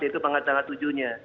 itu pangkat salah tujuhnya